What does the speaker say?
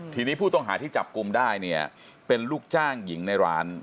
ทีนี้ผู้ต้องหาที่จับกลุ่มได้เนี่ยเป็นลูกจ้างหญิงในร้าน